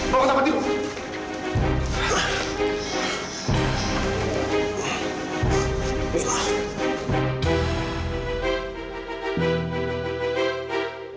bawa ke tempat itu